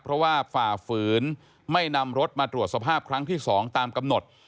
เพราะว่าฝ่าฝืนไม่นำรถมาตรวจสภาพครั้งที่๒ตามกำหนด